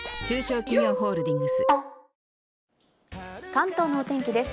関東のお天気です。